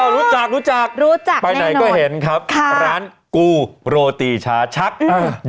รู้จักรู้จักไปไหนก็เห็นครับค่ะร้านกูโรตีชาชัก